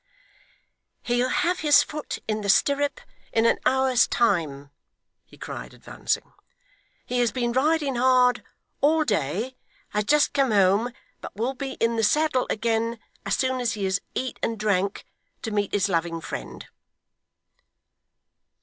'He'll have his foot in the stirrup in an hour's time,' he cried, advancing. 'He has been riding hard all day has just come home but will be in the saddle again as soon as he has eat and drank, to meet his loving friend.